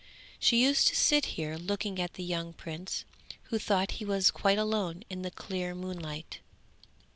She used to sit here looking at the young prince, who thought he was quite alone in the clear moonlight.